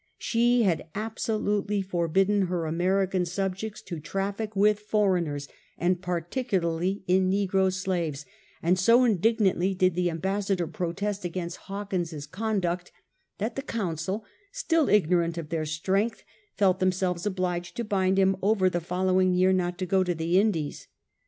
She had absolutely forbidden her American subjects to traffic with foreigners, and particu larly in negro slaves, and so indignantly did the Am bassador protest against Hawkins's conduct, that the Council, still ignorant of their strength, felt themselves obliged to bind him over the following year not to go to the Indies.